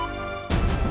ya allah papa